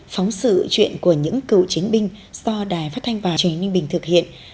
phóng sự chuyện của những cựu chiến binh do đài phát thanh báo truyền hình ninh bình thực hiện